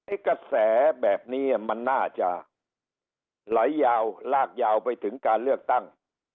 กระแสแบบนี้มันน่าจะไหลยาวลากยาวไปถึงการเลือกตั้ง